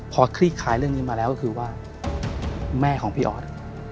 พอคลี่คลายเรื่องนี้มาแล้วก็คือว่าแม่ของพี่ออส